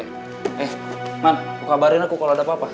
eh man kukabarin aku kalo ada apa apa